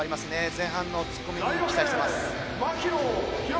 前半の突っ込みに期待してます。